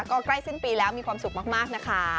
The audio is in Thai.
ก็ใกล้สิ้นปีแล้วมีความสุขมากนะคะ